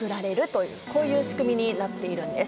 こういう仕組みになっているんです。